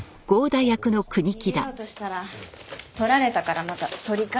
逃げようとしたら取られたからまた取り返して。